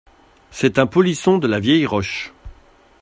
C’est un polisson de la vieille roche !